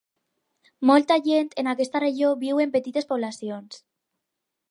Molta gent en aquesta regió viu en petites poblacions.